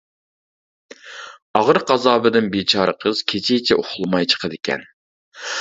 ئاغرىق ئازابىدىن بىچارە قىز كېچىچە ئۇخلىماي چىقىدىكەن.